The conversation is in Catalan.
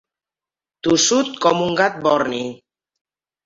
Tossut com un gat borni.